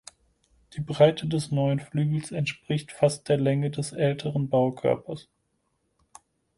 Die Breite des neuen Flügels entspricht fast der Länge des älteren Baukörpers.